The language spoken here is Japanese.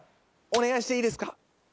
お願いしていいですか？